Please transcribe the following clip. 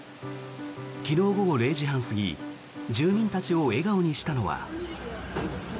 昨日午後０時半過ぎ住民たちを笑顔にしたのは。